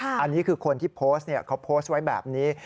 อันนี้คือก็โพสต์ไว้แบบนี้